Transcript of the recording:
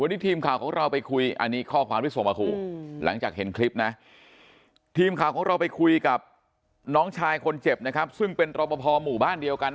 วันนี้ทีมข่าวของเราไปคุยอันนี้ข้อความที่ส่งมาคุยหลังจากเห็นคลิปนะ